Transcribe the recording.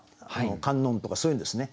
観音とかそういうんですね。